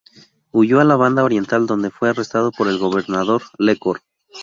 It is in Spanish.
Huyó a la Banda Oriental, donde fue arrestado por el gobernador Lecor.